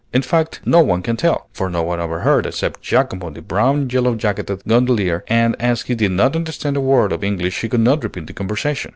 In fact, no one can tell; for no one overheard, except Giacomo, the brown yellow jacketed gondolier, and as he did not understand a word of English he could not repeat the conversation.